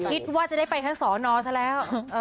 คิดว่าจะได้ไปทั้งสอนอซะแล้ว